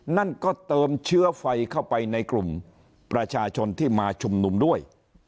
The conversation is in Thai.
นั่นก็เติมเชื้อไฟเข้าไปในกลุ่มประชาชนที่มาชุมนุมด้วย